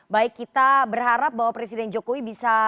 baik kita berharap bahwa presiden jokowi bisa